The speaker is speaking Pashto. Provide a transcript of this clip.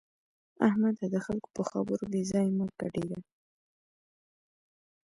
احمده! د خلګو په خبرو بې ځایه مه ګډېږه.